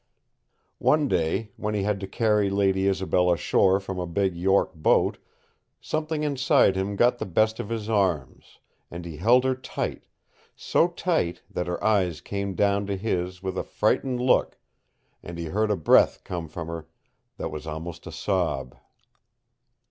One day, when he had to carry Lady Isobel ashore from a big York boat, something inside him got the best of his arms, and he held her tight so tight that her eyes came down to his with a frightened look, and he heard a breath come from her that was almost a sob.